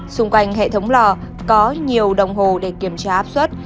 xung quanh hệ thống lò có nhiều đồng hồ để kiểm tra áp suất